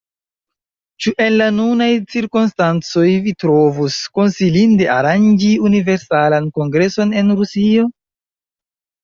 Ĉu en la nunaj cirkonstancoj vi trovus konsilinde aranĝi Universalan Kongreson en Rusio?